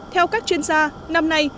theo các chuyên gia năm nay